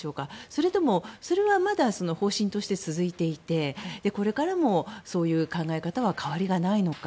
それとも、それはまだ方針として続いていてこれからも、そういう考え方は変わりがないのか。